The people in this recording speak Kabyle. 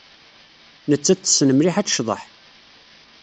Nettat tessen mliḥ ad tecḍeḥ.